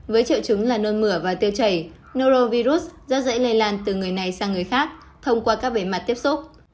với triệu chứng là nôn mửa và tiêu chảy nor virus rất dễ lây lan từ người này sang người khác thông qua các bề mặt tiếp xúc